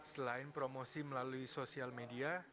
selain promosi melalui sosial media